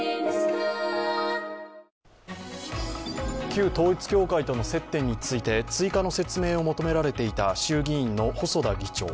旧統一教会との接点について追加の説明を求められていた衆議院の細田議長。